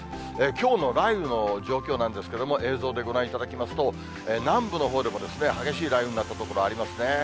きょうの雷雨の状況なんですけれども、映像でご覧いただきますと、南部のほうでも激しい雷雨になった所ありますね。